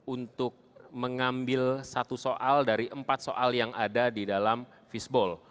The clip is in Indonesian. untuk mengambil satu soal dari empat soal yang ada di dalam fishball